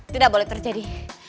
tidak boleh terjadi